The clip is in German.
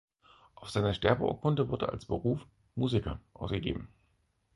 Auf seiner Sterbeurkunde wurde als Beruf "Musiker" angegeben.